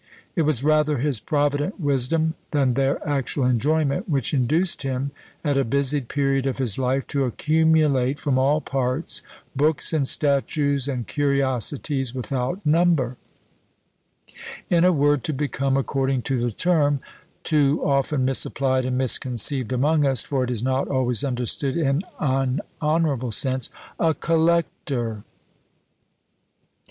It was rather his provident wisdom than their actual enjoyment, which induced him, at a busied period of his life, to accumulate from all parts books, and statues, and curiosities without number; in a word, to become, according to the term, too often misapplied and misconceived among us, for it is not always understood in an honourable sense, a COLLECTOR!